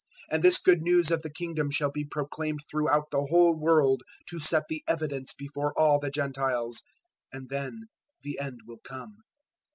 024:014 And this Good News of the Kingdom shall be proclaimed throughout the whole world to set the evidence before all the Gentiles; and then the End will come.